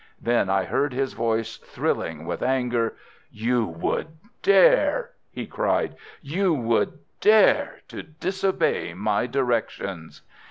Then I heard his voice thrilling with anger. "You would dare!" he cried. "You would dare to disobey my directions!"